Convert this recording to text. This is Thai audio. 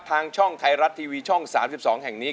ทางช่องไทยรัฐทีวีช่อง๓๒แห่งนี้